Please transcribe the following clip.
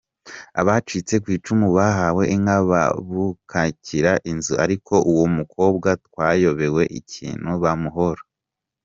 Abacitse ku icumu bahawe inka babukakira inzu, ariko uwo mukobwa twayobewe ikintu bamuhora.